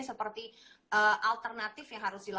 tapi kita tuh sekarang lagi ya